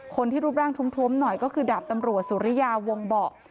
คนที่รูปร่างท้มหน่อยก็คือดาบตำรวจสุริยาวงเบาะ